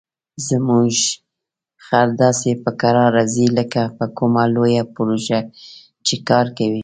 زموږ خر داسې په کراره ځي لکه په کومه لویه پروژه چې کار کوي.